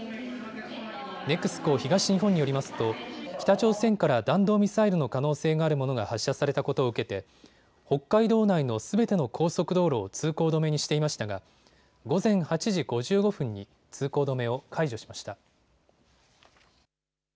ＮＥＸＣＯ東日本によりますと北朝鮮から弾道ミサイルの可能性があるものが発射されたことを受けて北海道内のすべての高速道路を通行止めにしていましたが午前８時５５分に通行止めを解除しました。